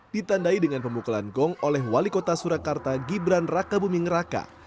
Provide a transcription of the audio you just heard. ditandai dengan pemukulan gong oleh wali kota surakarta gibran raka buming raka